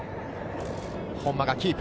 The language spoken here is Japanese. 本間がキープ。